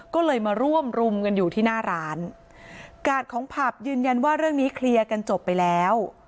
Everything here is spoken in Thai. ก็เลยมาร่วมรุมกันอยู่ที่หน้าร้านกาดของผับยืนยันว่าเรื่องนี้เคลียร์กันจบไปแล้ว